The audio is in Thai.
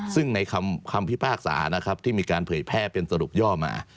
ซึ่งในคำพิพากษานะครับที่มีการเผยแพร่เป็นสรุปย่อมา